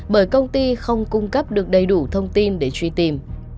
bởi công ty không cung cấp được đầy đủ thông tin để truy tìm